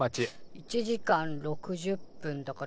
１時間６０分だから。